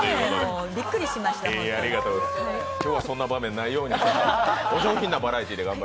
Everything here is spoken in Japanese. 今日はそんなことないように。